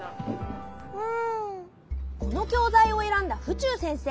この教材をえらんだ府中先生。